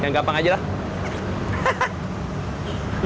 yang gampang aja dikonek